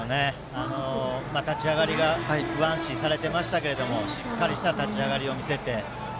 立ち上がりが不安視されてましたがしっかりとした立ち上がりを見せて。